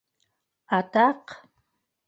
Атаҡ!